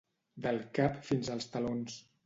Del cap fins als talons.